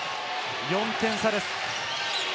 ４点差です。